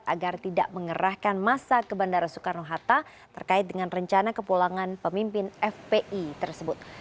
agar tidak mengerahkan masa ke bandara soekarno hatta terkait dengan rencana kepulangan pemimpin fpi tersebut